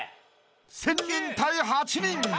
［１，０００人対８人］